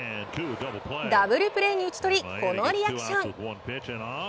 ダブルプレーに打ち取りこのリアクション。